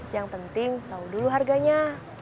yang penting tahu dulu harganya